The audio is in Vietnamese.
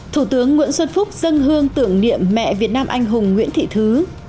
thủ tướng nguyễn xuân phúc dân hương tưởng niệm mẹ việt nam anh hùng nguyễn thị thứ